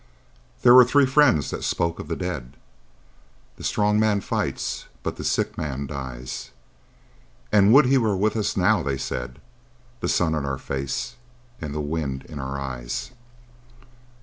There were three friends that spoke of the dead,— The strong man fights, but the sick man dies.— "And would he were with us now," they said, "The sun in our face and the wind in our eyes."